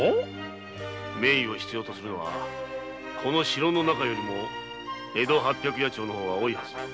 名医を必要とするのはこの城の中よりも江戸八百八丁の方が多いはず。